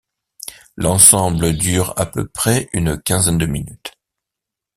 L'ensemble dure à peu près une quinzaine de minutes.